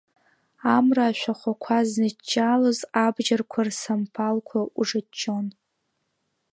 Амра ашәахәақәа зныҷҷалоз абџьарқәа рсамԥалқәа уҿаҷҷон.